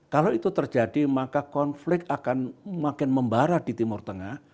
kalau itu terjadi maka konflik akan makin membarat di timur tengah